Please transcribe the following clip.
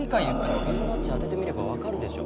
フィボナッチ当ててみれば分かるでしょ